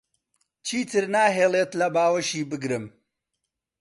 چیتر ناهێڵێت لە باوەشی بگرم.